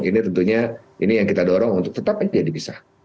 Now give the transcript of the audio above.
ini tentunya ini yang kita dorong untuk tetap aja dipisah